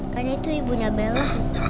kan itu ibunya bella